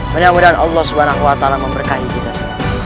menyamudkan allah swt memberkati kita semua